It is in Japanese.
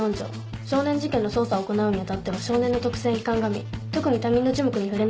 「少年事件の捜査を行うに当たっては少年の特性にかんがみ特に他人の耳目に触れないよ